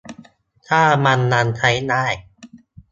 ถ้ามันยังใช้ได้